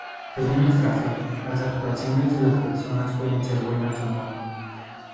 Según nuestra fe, las actuaciones de las personas puede ser buenas o no".